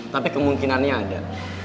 tapi kemungkinannya ada